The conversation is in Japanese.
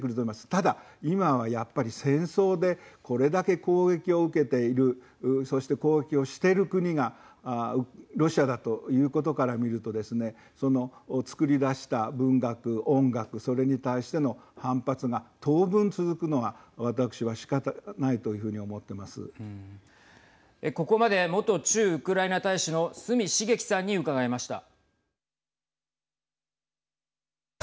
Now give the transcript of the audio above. ただ今は、やっぱり戦争でこれだけ攻撃を受けているそして、攻撃をしている国がロシアだということから見るとですねそのつくり出した文学、音楽それに対しての反発が当分、続くのは私はしかたがないここまで元駐ウクライナ大使の角茂樹さんに伺いました。